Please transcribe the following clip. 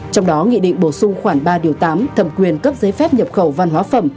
trong đó nghị định bổ sung khoảng ba tám thẩm quyền cấp giấy phép nhập khẩu văn hóa phẩm